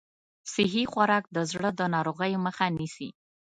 صحي خوراک د زړه د ناروغیو مخه نیسي.